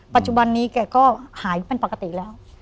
ปัจจุบันนี้แกก็หายเป็นปกติแล้ว